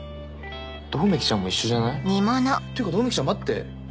百目鬼ちゃんも一緒じゃない？っていうか百目鬼ちゃん待って。